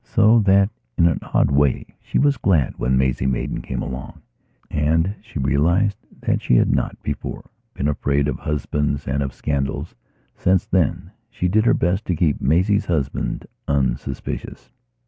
So that, in an odd way, she was glad when Maisie Maidan came alongand she realized that she had not, before, been afraid of husbands and of scandals, since, then, she did her best to keep Maisie's husband unsuspicious.